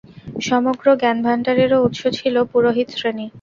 সমগ্র জ্ঞানভাণ্ডারেরও উৎস ছিল পুরোহিতশ্রেণী।